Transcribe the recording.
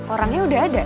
orangnya udah ada